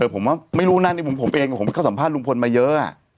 ผมว่าไม่รู้นะในมุมผมเองผมเข้าสัมภาษณุมพลมาเยอะ